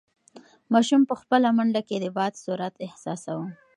ماشوم په خپله منډه کې د باد سرعت احساساوه.